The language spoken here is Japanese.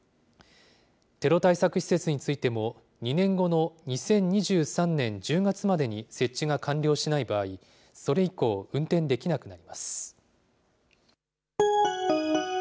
テロ対策施設についても、２年後の２０２３年１０月までに設置が完了しない場合、それ以降、運転できなくなります。